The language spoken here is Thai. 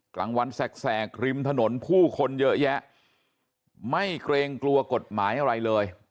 กลางวันแสกริมถนนผู้คนเยอะแยะไม่เกรงกลัวกฎหมายอะไรเลย